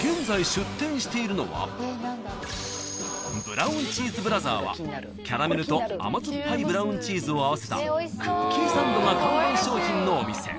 ［ブラウンチーズブラザーはキャラメルと甘酸っぱいブラウンチーズを合わせたクッキーサンドが看板商品のお店］